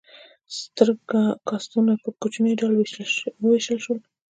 ستر کاستونه په کوچنیو ډلو وویشل شول.